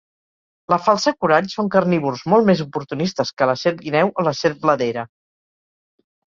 La falsa corall són carnívors molt més oportunistes que la serp guineu o la serp bladera.